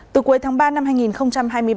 từ cuối tháng ba năm hai nghìn hai mươi ba